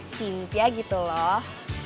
sintia gitu loh